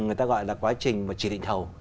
người ta gọi là quá trình chỉ định thầu